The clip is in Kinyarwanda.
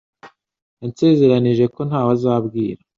Yansezeranije ko ntawe azabwira.